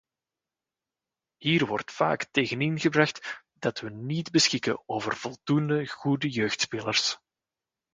Hier wordt vaak tegenin gebracht dat we niet beschikken over voldoende goede jeugdspelers.